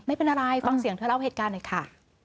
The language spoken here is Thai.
ไม่เป็นอะไรฟังเสียงเธอเล่าเหตุการณ์หน่อยค่ะ